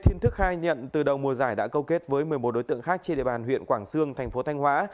hình thức khai nhận từ đầu mùa giải đã câu kết với một mươi một đối tượng khác trên địa bàn huyện quảng sương thành phố thanh hóa